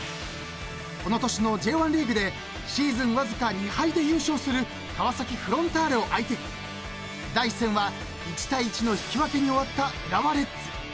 ［この年のＪ１リーグでシーズンわずか２敗で優勝する川崎フロンターレを相手に第１戦は１対１の引き分けに終わった浦和レッズ］